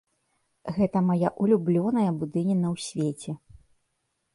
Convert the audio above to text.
Гэта мая ўлюблёная будыніна ў свеце.